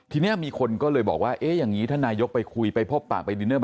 ทีนี้มีคนก็เลยบอกว่าเอ๊ะอย่างนี้ท่านนายกไปคุยไปพบปากไปดินเนอร์